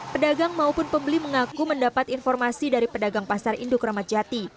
pedagang maupun pembeli mengaku mendapat informasi dari pedagang pasar induk ramadjati